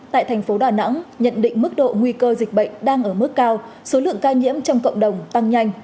tại thành phố đà nẵng nhận định mức độ nguy cơ dịch bệnh đang ở mức cao số lượng ca nhiễm trong cộng đồng tăng nhanh